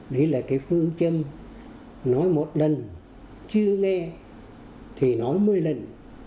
đấy là cái phương châm nói một lần chưa nghe thì nói một mươi lần